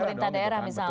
pemerintah daerah misalnya